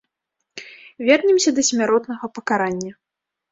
Вернемся да смяротнага пакарання.